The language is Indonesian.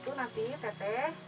teteh yang kapus kesmas